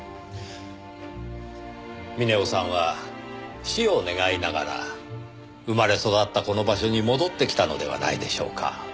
峰夫さんは死を願いながら生まれ育ったこの場所に戻ってきたのではないでしょうか。